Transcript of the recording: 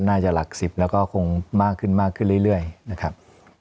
น่าจะหลัก๑๐แล้วก็คงมากขึ้นมากขึ้นเรื่อยนะครับ